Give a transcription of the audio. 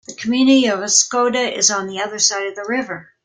The community of Oscoda is on the other side of the river.